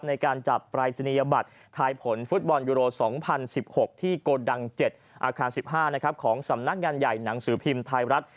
ในการจับปรายศนียบัตรทายผลฟุตบอลยูโร๒๐๑๖ที่โกดัง๗อาคาร๑๕ของสำนักงานใหญ่หนังสือพิมพ์ไทยรัฐ